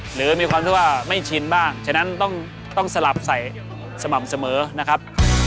หรือมีความที่ว่าไม่ชินบ้างฉะนั้นต้องสลับใส่สม่ำเสมอนะครับ